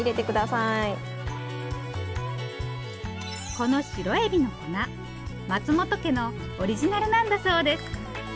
このシロエビの粉松本家のオリジナルなんだそうです。